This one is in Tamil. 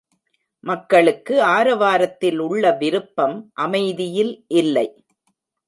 மக்களுக்கு ஆரவாரத்தில் உள்ள விருப்பம் அமைதியில் இல்லை.